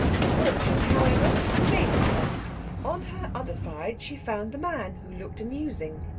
Fortune, however, favoured her. On her other side she found the man who looked amusing.